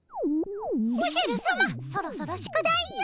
おじゃるさまそろそろ宿題を！